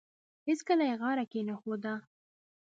هیڅکله یې غاړه کښېنښوده.